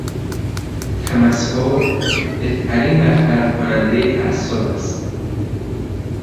تمسخر بهترین برطرف کنندهی تعصب است.